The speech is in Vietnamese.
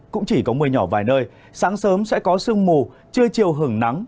cũng chỉ có mưa nhỏ vài nơi sáng sớm sẽ có sương mù chưa chiều hừng nắng